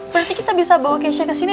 berarti kita bisa bawa kesha kesini